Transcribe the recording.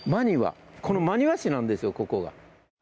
真庭市なんですよ、ここが。